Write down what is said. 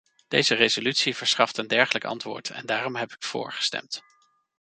Deze resolutie verschaft een dergelijk antwoord en daarom heb ik vóór gestemd.